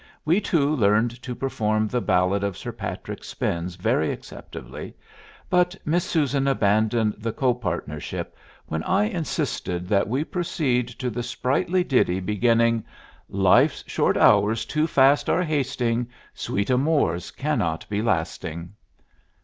We two learned to perform the ballad of Sir Patrick Spens very acceptably, but Miss Susan abandoned the copartnership when I insisted that we proceed to the sprightly ditty beginning, Life's short hours too fast are hasting Sweet amours cannot be lasting.